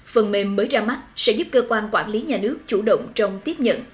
phần mềm mới ra mắt sẽ giúp cơ quan quản lý nhà nước chủ động trong tiếp nhận